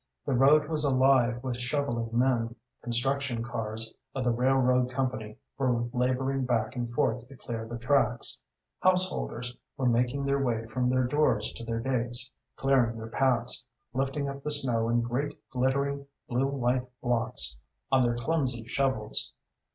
The road was alive with shovelling men, construction cars of the railroad company were laboring back and forth to clear the tracks, householders were making their way from their doors to their gates, clearing their paths, lifting up the snow in great, glittering, blue white blocks on their clumsy shovels.